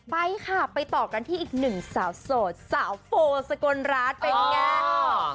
ไปค่ะไปต่อกันที่อีกหนึ่งสาวโสดสาวโฟสกลรัฐเป็นไง